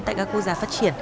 tại các quốc gia